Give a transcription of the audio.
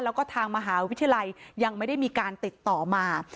แล้วก็ทางมหาวิทยาลัยยังไม่ได้มีการติดต่อมา